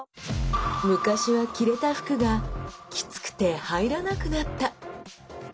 昔は着れた服がキツくて入らなくなった！